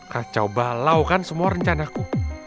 kacau balau kan semua rencanaku